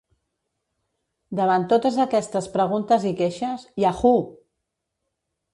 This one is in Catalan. Davant totes aquestes preguntes i queixes, Yahoo!